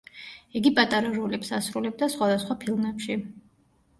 იგი პატარა როლებს ასრულებდა სხვადასხვა ფილმებში.